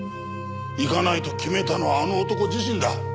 行かないと決めたのはあの男自身だ。